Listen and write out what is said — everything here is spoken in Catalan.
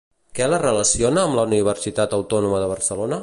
Què la relaciona amb la Universitat Autònoma de Barcelona?